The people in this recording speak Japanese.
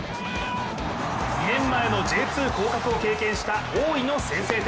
２年前のＪ２降格を経験した大井の先制点。